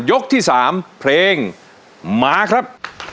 ยกที่๓เพลงมาครับ